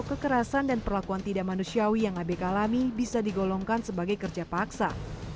kekerasan dan perlakuan tidak manusiawi yang abk alami bisa digolongkan sebagai kerja paksa